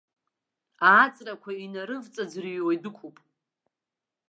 Ааҵрақәа инарывҵаӡырҩуа идәықәуп.